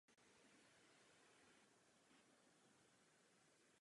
Obě části města spojuje železniční most se stezkou pro pěší a cyklisty.